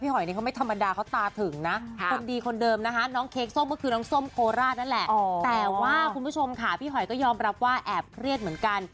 ห่างส้มโคลาสนั่นแหละแต่ว่าคุณผู้ชมค่ะพี่หอยก็ยอมรับว่าแอบเครียดเหมือนกัน